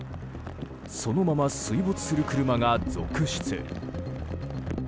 そのまま水没する車が続出。